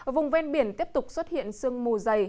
vùng ven biển tiếp tục xuất hiện sương mù dày